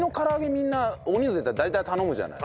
みんな大人数で行ったら大体頼むじゃない？